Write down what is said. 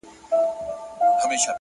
نور لاس کي کتاب راکه قلم راکه,